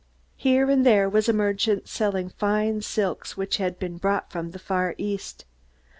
Here and there was a merchant selling fine silks which had been brought from the Far East.